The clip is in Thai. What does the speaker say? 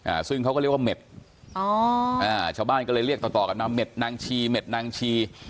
อ่าซึ่งเขาก็เรียกว่าเม็ดอ๋ออ่าชาวบ้านก็เลยเรียกต่อต่อกันมาเม็ดนางชีเม็ดนางชี